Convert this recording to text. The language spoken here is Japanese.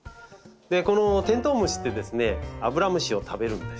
このテントウムシってアブラムシを食べるんです。